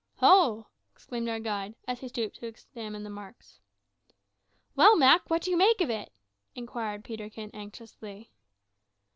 "Ho!" exclaimed our guide, as he stooped to examine the marks. "Well, Mak, what do you make of it?" inquired Peterkin anxiously.